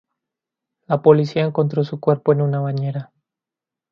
La policía encontró su cuerpo en una bañera.